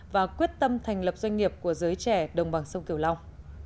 và quyết tâm thành lập doanh nghiệp của giới trẻ đồng bằng sông kiều long